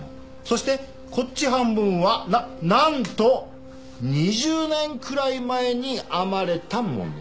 そしてこっち半分はななんと２０年くらい前に編まれたもの。